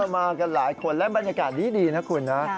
มากันหลายคนและบรรยากาศดีนะคุณนะ